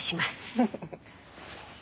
フフフッ。